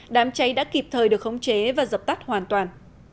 đám cháy đã kịp thời được khống chế và dập tắt hoàn toàn